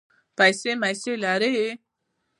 پیسې مېسې لرې.